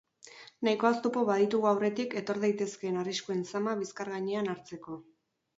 Nahikoa oztopo baditugu aurretik etor daitezkeen arriskuen zama bizkar gainean hartzeko.